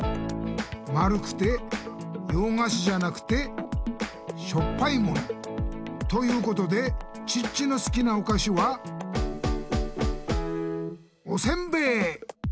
丸くて洋菓子じゃなくてしょっぱいもの！ということでチッチの好きなお菓子はおせんべい！